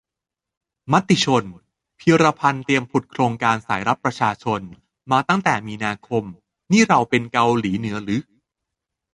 มติชน :"พีระพันธุ์เตรียมผุดโครงการสายลับประชาชนมาตั้งแต่มีนาคม" นี่เราเป็นเกาหลีเหนือรึ ?